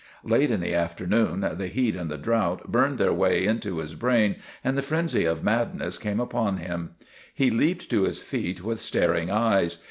Late in the afternoon the heat and the drought burned their way in to his brain and the frenzy of madness came upon him. He leaped to his feet with staring eyes.